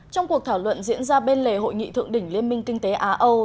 trong cuộc thảo luận diễn ra bên lề hội nghị thượng đỉnh liên minh kinh tế á âu